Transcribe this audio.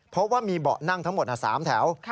เพราะว่ามีเบาะนั่งทั้งหมด๓แถว